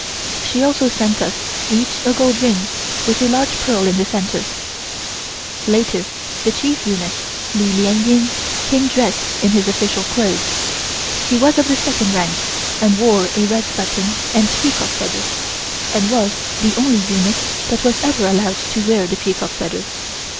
She also sent us each a gold ring with a large pearl in the center. Later the chief eunuch, Li Lien Ying, came dressed in his official clothes. He was of the second rank and wore a red button and peacock feather and was the only eunuch that was ever allowed to wear the peacock feather.